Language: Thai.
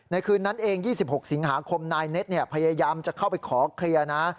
คืนนั้นเอง๒๖สิงหาคมนายเน็ตพยายามจะเข้าไปขอเคลียร์นะ